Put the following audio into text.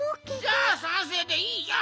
じゃあさんせいでいいじゃん！